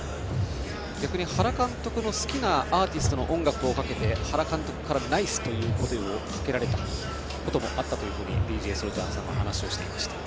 逆に原監督の好きなアーティストの音楽をかけて原監督からナイス！という声をかけられたこともあったとＤＪＳＯＵＬＪＡＨさんは話していました。